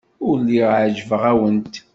Ur lliɣ ɛejbeɣ-awent.